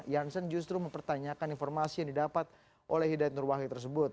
jansen justru mempertanyakan informasi yang didapat oleh hidayat nur wahid tersebut